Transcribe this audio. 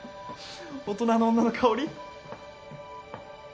大人の女の香り？